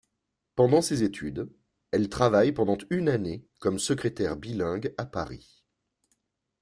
Pendant ses études, elle travaille pendant une année comme secrétaire bilingue à Paris.